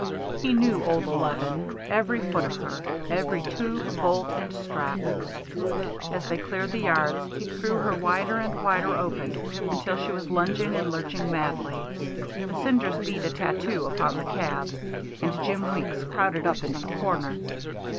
He knew old "eleven," every foot of her, every tube, bolt, and strap. As they cleared the yards, he threw her wider and wider open until she was lunging and lurching madly. The cinders beat a tattoo upon the cab, and Jim Weeks crowded up into the corner.